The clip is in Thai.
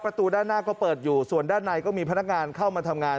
ประตูด้านหน้าก็เปิดอยู่ส่วนด้านในก็มีพนักงานเข้ามาทำงาน